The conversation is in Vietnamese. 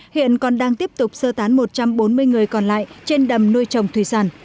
hiện còn đang tiếp tục sơ tán một trăm bốn mươi người còn lại trên đầm nuôi trồng thủy sản